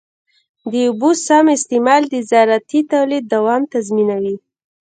د اوبو سم استعمال د زراعتي تولید دوام تضمینوي.